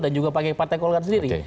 dan juga pakai partai keluarga sendiri